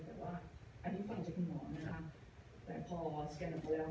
แต่ว่าอันนี้ฟังจากคุณหมอนะคะแต่พอแชร์ไปแล้ว